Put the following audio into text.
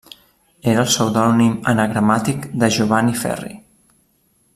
Era el pseudònim anagramàtic de Giovanni Ferri.